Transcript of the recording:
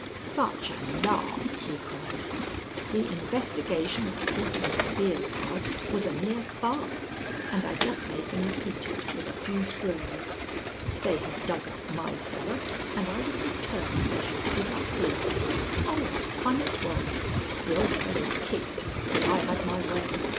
"Such a lark!" he cried. "The investigation at Deacon Spear's house was a mere farce, and I just made them repeat it with a few frills. They had dug up my cellar, and I was determined they should dig up his. Oh, the fun it was! The old fellow kicked, but I had my way.